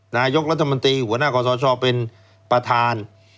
นายกรัฐมนตรีหัวหน้าขอสชเป็นประธาน